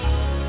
riz tunggu riz